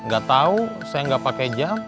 gatau saya gak pake jam